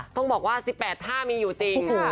ต้องบอกว่า๑๘ท่ามีอยู่จริง